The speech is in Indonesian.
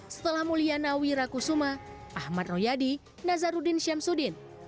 setelah mulia nawira kusuma ahmad noyadi nazarudin syamsudin dan pak ws